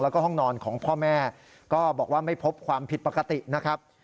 แล้วก็ห้องนอนของพ่อแม่ก็บอกว่าไม่พบความผิดปกตินะครับ